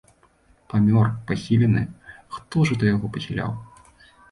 Памёр, пахілены, хто ж гэта яго пахіляў?